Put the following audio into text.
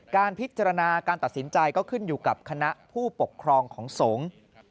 การพิจารณาการตัดสินใจก็ขึ้นอยู่กับคณะผู้ปกครองของสงฆ์